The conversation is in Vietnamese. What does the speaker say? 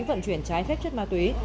vận chuyển trái phép chất ma túy